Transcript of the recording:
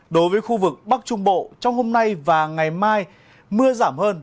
đối với khu vực bắc trung bộ trong hôm nay và ngày mai mưa giảm hơn